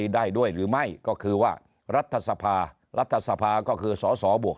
ได้ด้วยหรือไม่ก็คือว่ารัฐสภารัฐสภาก็คือสสบวก